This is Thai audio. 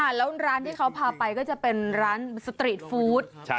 แล้วร้านที่เขาพาไปก็จะเป็นร้านสตรีทฟู้ด